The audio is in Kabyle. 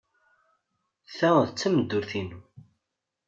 Ta d tameddurt-inu.